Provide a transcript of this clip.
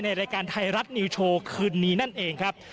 รายการไทยรัฐนิวโชว์คืนนี้นั่นเองครับ